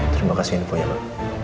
terima kasih neponya pak